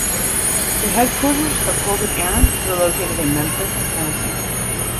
The headquarters of Colgan Air were located in Memphis, Tennessee.